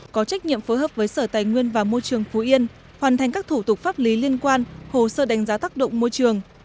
có trách nhiệm phối hợp với sở tài nguyên và môi trường phú yên hoàn thành các thủ tục pháp lý liên quan hồ sơ đánh giá tác động môi trường